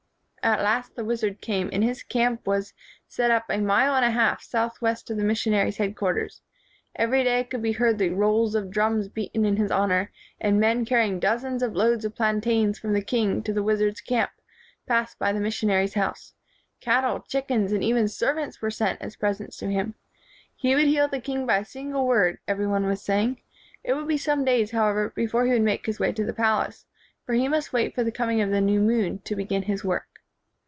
At last the wizard came, and his camp was 115 WHITE MAN OF WORK set up a mile and a half southwest of the missionaries' headquarters. Every day could be heard the roll of drums beaten in his honor, and men carrying dozens of loads of plantains from the king to the wizard's camp passed by the missionaries' house. Cattle, chickens, and even servants were sent as presents to him. He would heal the king by a single word, every one was saying. It would be some days, however, before he would make his way to the palace; for he must wait for the coming of the new moon to begin his work.